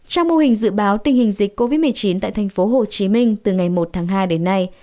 trong mô hình dự báo tình hình dịch covid một mươi chín tại thành phố hồ chí minh từ ngày một tháng hai đến nay